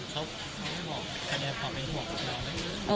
เขาบอกทุกครั้งที่โดยโทษ